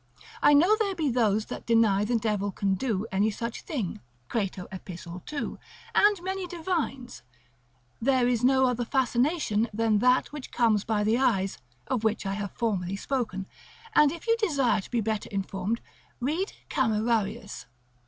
I know there be those that deny the devil can do any such thing (Crato epist. 2. lib. med.), and many divines, there is no other fascination than that which comes by the eyes, of which I have formerly spoken, and if you desire to be better informed, read Camerarius, oper subcis.